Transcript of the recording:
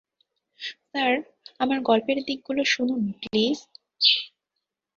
Sir, আমার গল্পের দিকগুলো শুনুন, প্লীজ।